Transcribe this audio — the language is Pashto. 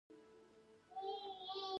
په چای کې بوره یا ګوړه اچول کیږي.